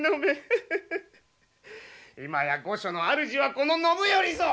今や御所のあるじはこの信頼ぞ！